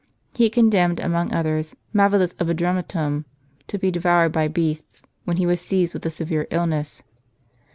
He had condemned, among others, Mavilus of Adrumetum to be devoured by beasts, when he was seized with a severe illness.